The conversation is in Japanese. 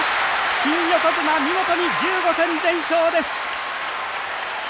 新横綱、見事に１５戦全勝です。